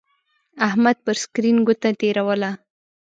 احمد پر سکرین گوته تېروله.